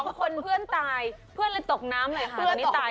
ไม่ไม่ไม่ไม่ไม่ไม่ไม่ไม่ไม่ไม่ไม่ไม่ไม่ไม่ไม่ไม่ไม่